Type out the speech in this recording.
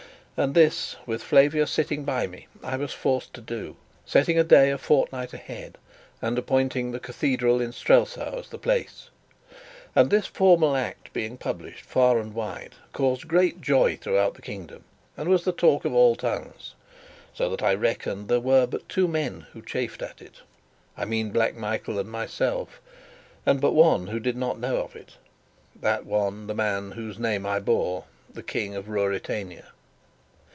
And this with Flavia sitting by me I was forced to do, setting a date a fortnight ahead, and appointing the Cathedral in Strelsau as the place. And this formal act being published far and wide, caused great joy throughout the kingdom, and was the talk of all tongues; so that I reckoned there were but two men who chafed at it I mean Black Michael and myself; and but one who did not know of it that one the man whose name I bore, the King of Ruritania.